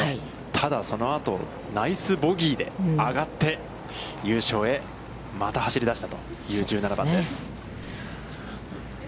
ただ、そのあと、ナイスボギーで上がって、優勝へまた走り出したという１７番です。